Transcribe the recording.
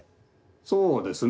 そうですね。